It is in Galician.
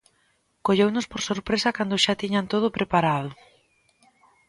Colleunos por sorpresa cando xa tiñan todo preparado.